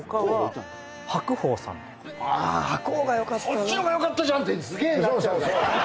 「そっちの方がよかったじゃん」ってすげえなっちゃうから。